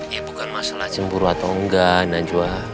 ya bukan masalah cemburu atau enggak najwa